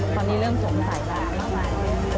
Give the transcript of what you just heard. ตอนนี้เริ่มส่งสายตามากมาย